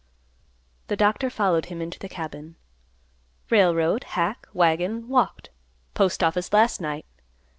The doctor followed him into the cabin. "Railroad, hack, wagon, walked. Postoffice last night.